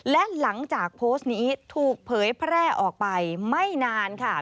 และหลังจากโพสต์นี้ถูกเผยแพร่ออกไปไม่นานค่ะ